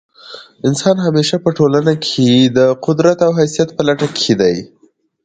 انسان همېشه په ټولنه کښي د قدرت او حیثیت په لټه کښي دئ.